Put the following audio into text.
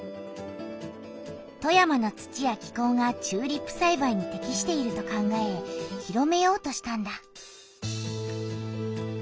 富山の土や気こうがチューリップさいばいにてきしていると考え広めようとしたんだ。